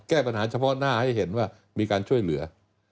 แก้ปัญหาเฉพาะหน้าให้เห็นว่ามีการช่วยเหลือ